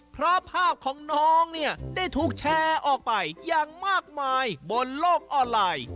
เพราะภาพของน้องเนี่ยได้ถูกแชร์ออกไปอย่างมากมายบนโลกออนไลน์